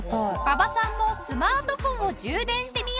馬場さんもスマートフォンを充電してみよう！